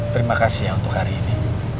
terima kasih untuk hari ini